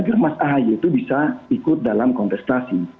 agar mas ahaye itu bisa ikut dalam kontestasi